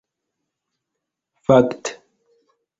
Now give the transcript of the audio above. fakte